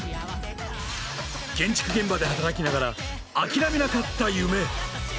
建築現場で働きながら、諦めなかった夢。